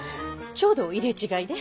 ちょうど入れ違いで。